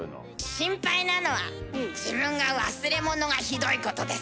心配なのは自分が忘れ物がひどいことです。